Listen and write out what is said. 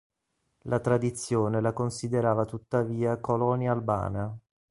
La tradizione la considerava tuttavia colonia albana.